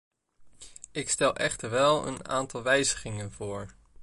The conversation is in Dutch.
Ik stel echter wel een aantal wijzigingen voor.